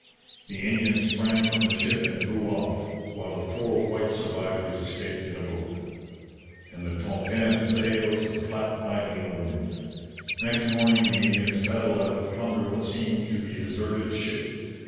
The Indians sprang from the ship and drew off, while the four white survivors escaped in a boat, and the Tonquin's sails flapped idly in the wind. Next morning the Indians paddled out to plunder what seemed to be a deserted ship.